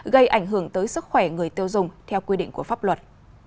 gây ảnh hưởng tới sức khỏe người tiêu dùng theo quy định của pháp luật